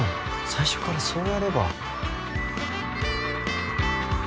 最初からそうやれば。